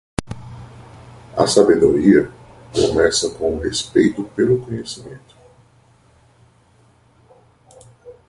A sabedoria começa com o respeito pelo conhecimento.